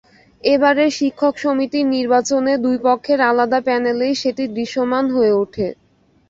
এবারের শিক্ষক সমিতির নির্বাচনে দুই পক্ষের আলাদা প্যানেলেই সেটি দৃশ্যমান হয়ে ওঠে।